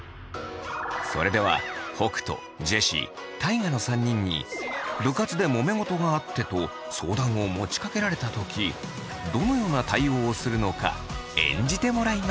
それでは北斗ジェシー大我の３人に部活でもめ事があってと相談を持ちかけられた時どのような対応をするのか演じてもらいます。